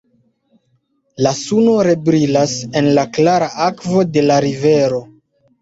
La suno rebrilas en la klara akvo de la rivero.